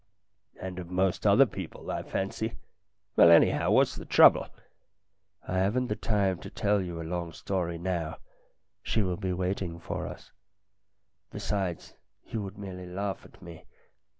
"And of most other people, I fancy. Well, anyhow, what's the trouble ?"" I haven't the time to tell you a long story now ; she will be waiting for us. Besides, you would merely laugh at me.